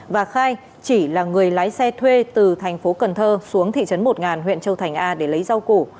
và khai chỉ là người lái xe thuê từ thành phố cần thơ xuống thị trấn một huyện châu thành a để lấy rau củ